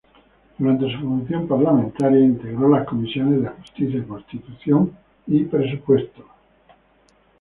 Durante su función parlamentaria, integró las comisiones de Justicia, Constitución y Presupuesto.